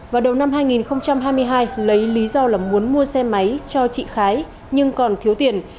vào đầu năm hai nghìn hai mươi hai lấy lý do là muốn mua xe máy cho chị khái nhưng còn thiếu tiền